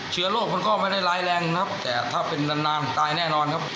เชื้อโรคมันก็ไม่ได้ร้ายแรงนะครับแต่ถ้าเป็นนานนานตายแน่นอนครับ